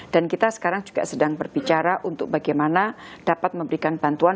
dan kita sekarang juga sedang berbicara untuk bagaimana dapat memberikan bantuan